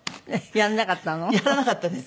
やらなかったです。